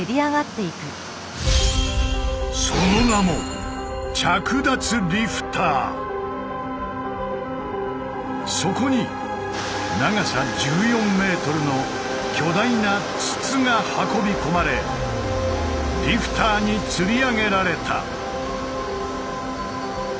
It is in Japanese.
その名もそこに長さ１４ｍの巨大な筒が運び込まれリフターに吊り上げられた。